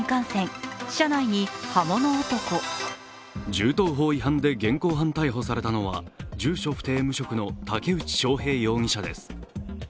銃刀法違反で現行犯逮捕されたのは住所不定・無職の竹内翔平容疑者です。